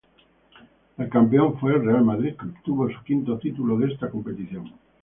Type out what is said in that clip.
El campeón fue el Real Madrid, que obtuvo su quinto título de esta competición.